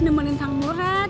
harusnya nemenin sang murad